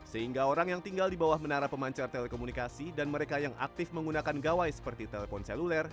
sehingga orang yang tinggal di bawah menara pemancar telekomunikasi dan mereka yang aktif menggunakan gawai seperti telpon seluler